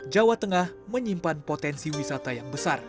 jawa tengah menyimpan potensi wisata yang besar